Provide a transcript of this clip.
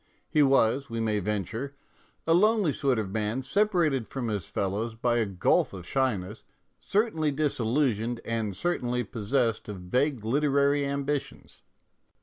He was, we may venture, a lonely sort of man separated from his fellows by a gulf of shyness, cer tainly disillusioned and certainly possessed of vague literary ambitions.